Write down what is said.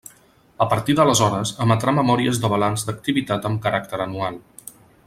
A partir d'aleshores, emetrà memòries de balanç d'activitat amb caràcter anual.